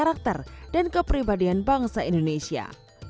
karakter dan kepribadian bangsa indonesia